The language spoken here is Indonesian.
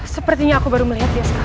sepertinya aku baru melihat dia sekarang